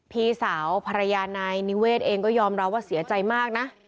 พี่สาวภรรยานายนิเวศเองก็ยอมรับว่าเสียใจมากนะ